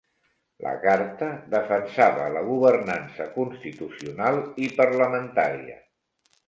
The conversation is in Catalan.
La carta defensava la governança constitucional i parlamentària.